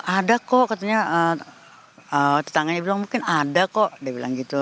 ada kok katanya tetangganya bilang mungkin ada kok dia bilang gitu